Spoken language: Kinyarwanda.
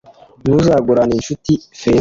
Ntuzagurane incuti feza,